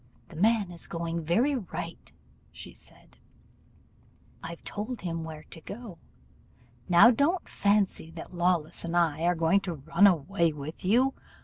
'The man is going very right,' said she; 'I've told him where to go. Now don't fancy that Lawless and I are going to run away with you.